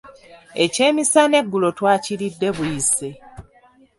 Ekyemisana eggulo twakiridde buyise.